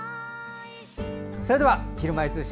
では、「ひるまえ通信」